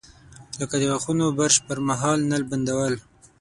لکه د غاښونو برش پر مهال نل بندول.